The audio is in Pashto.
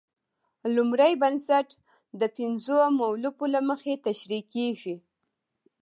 لومړی بنسټ د پنځو مولفو له مخې تشرېح کیږي.